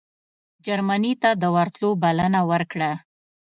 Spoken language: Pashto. جرمني ته د ورتلو بلنه ورکړه.